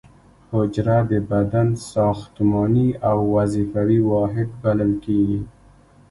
حجره د بدن ساختماني او وظیفوي واحد بلل کیږي